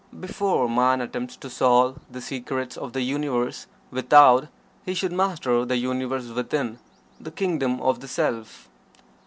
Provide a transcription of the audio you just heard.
Before man attempts to solve the secrets of the Universe without, he should master the Universe within the Kingdom of the Self.